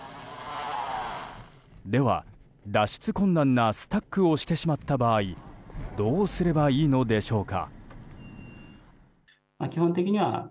では、脱出困難なスタックをしてしまった場合どうすればいいのでしょうか。